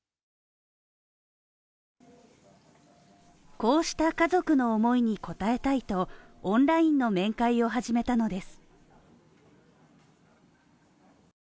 こうした家族の思いに応えたいとオンラインの面会を始めたのです。